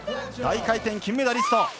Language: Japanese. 大回転、金メダリスト。